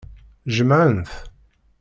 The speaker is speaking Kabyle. Jemɛen-t.